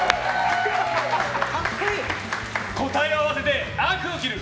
答えを合わせて悪を斬る！